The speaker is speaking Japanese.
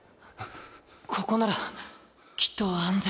ここならきっと安全。